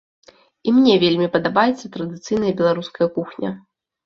І мне вельмі падабаецца традыцыйная беларуская кухня.